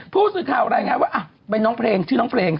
ผู้สื่อข่าวรายงานว่าเป็นน้องเพลงชื่อน้องเพลง